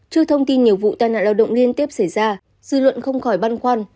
trước thông tin nhiều vụ tai nạn lao động liên tiếp xảy ra dư luận không khỏi băn khoăn